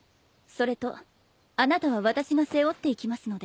それとあなたは私が背負っていきますので。